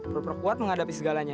pro pro kuat menghadapi segalanya